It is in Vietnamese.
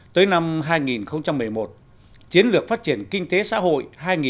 tới năm hai nghìn một mươi một chiến lược phát triển kinh tế xã hội hai nghìn một mươi hai nghìn hai mươi